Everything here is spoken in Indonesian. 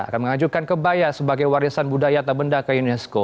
akan mengajukan kebaya sebagai warisan budaya tabenda ke unesco